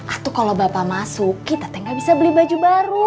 atau kalau bapak masuk kita teng nggak bisa beli baju baru